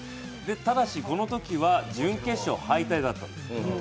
ただし、このときは準決勝敗退だったんです。